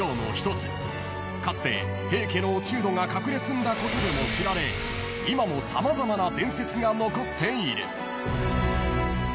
［かつて平家の落人が隠れ住んだことでも知られ今も様々な伝説が残っている］